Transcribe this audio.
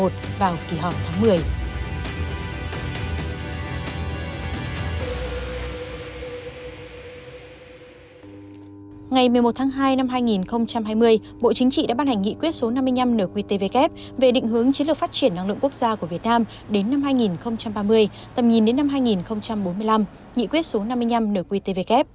tầm nhìn đến năm hai nghìn bốn mươi năm nhị quyết số năm mươi năm nở quy tvk